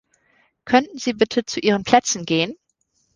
Könnten Sie bitte zu Ihren Plätzen gehen?